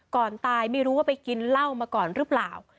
ก่อนตายไม่รู้ว่าไปกินเหล้ามาก่อนหรือเปล่า